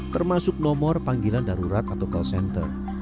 termasuk nomor panggilan darurat atau call center